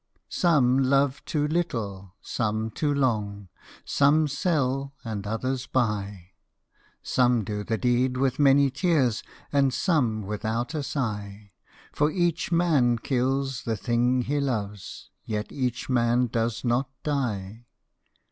Some love too little, some too long, Some sell, and others buy; Some do the deed with many tears, And some without a sigh: For each man kills the thing he loves, Yet each man does not die.